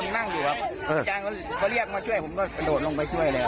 นั่งอยู่ครับเออพ่อเรียกมาช่วยผมก็โดดลงไปช่วยเลย